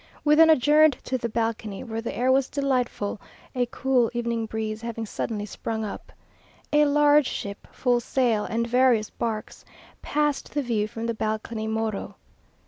We then adjourned to the balcony, where the air was delightful, a cool evening breeze having suddenly sprung up. A large ship, full sail, and various barks, passed the View From the Balcony Morro.